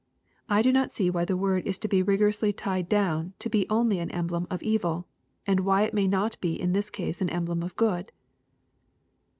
I do not see why the word is t<i be rigorously tied down to be only an emblem of evil ; and whj it may not be in this case an emblem of good.